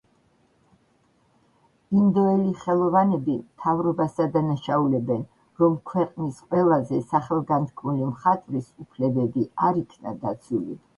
ინდოელი ხელოვანები მთავრობას ადანაშაულებენ, რომ ქვეყნის ყველაზე სახელგანთქმული მხატვრის უფლებები არ იქნა დაცული.